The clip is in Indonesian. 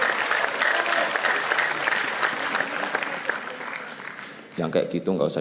tidak kok cuma enam aja hal hal penting dan semoga bermanfaat bagi kita semua